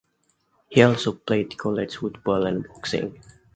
He also played college football and boxing.